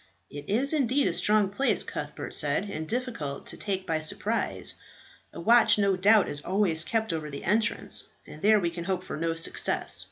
"It is indeed a strong place," Cuthbert said, "and difficult to take by surprise. A watch no doubt is always kept over the entrance, and there we can hope for no success.